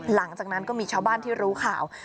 หลังจากนั้นก็มีชาวบ้านที่รู้ข่าว